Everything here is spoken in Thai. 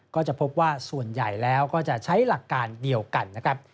ก็จะพบว่าส่วนใหญ่แล้วก็จะใช้หลักการเดียวกันนะครับ